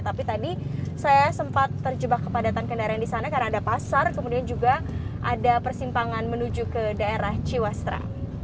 tapi tadi saya sempat terjebak kepadatan kendaraan di sana karena ada pasar kemudian juga ada persimpangan menuju ke daerah ciwastra